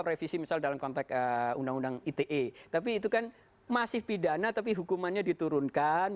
revisi misal dalam konteks undang undang ite tapi itu kan masih pidana tapi hukumannya diturunkan